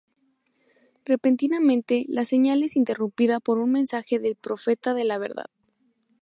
Repentinamente, la señal es interrumpida por un mensaje del Profeta de la Verdad.